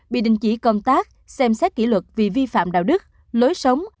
bị đình chỉ công tác xem xét kỷ luật vì vi phạm đạo đức lối sống